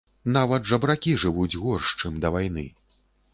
Нават жабракі жывуць горш, чым да вайны.